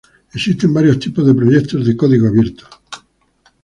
Existen varios tipos de proyectos de código abierto.